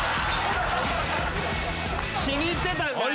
気に入ってたんだあれ。